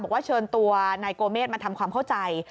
บอกว่าเชิญตัวนายโกเมฆมาทำความเข้าใจ